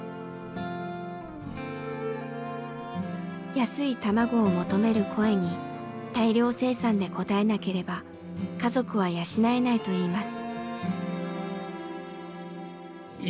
安い卵を求める声に大量生産で応えなければ家族は養えないといいます。